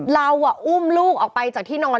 เราอุ้มลูกออกไปจากที่นอน